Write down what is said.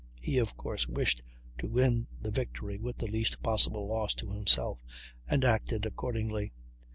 He, of course, wished to win the victory with the least possible loss to himself, and acted accordingly.